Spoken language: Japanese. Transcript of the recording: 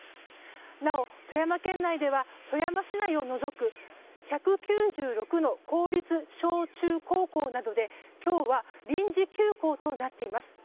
なお、富山県内では富山市内を除く１９６の公立小中高校などで今日は臨時休校となっています。